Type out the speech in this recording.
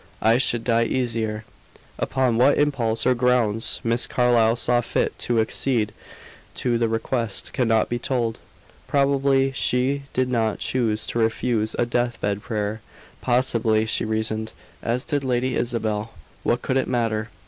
I should die easier." Upon what impulse or grounds Miss Carlyle saw fit to accede to the request, cannot be told. Probably she did not choose to refuse a death bed prayer; possibly she reasoned, as did Lady Isabel what could it matter?